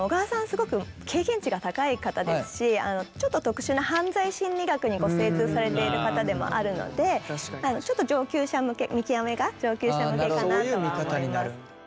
すごく経験値が高い方ですしちょっと特殊な犯罪心理学にご精通されている方でもあるのでちょっと見極めが上級者向けかなとは思います。